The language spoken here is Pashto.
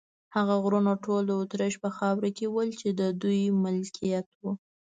هغه غرونه ټول د اتریش په خاوره کې ول، چې د دوی ملکیت و.